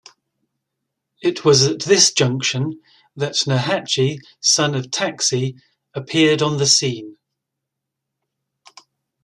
It was at this junction that Nurhaci, son of Taksi, appeared on the scene.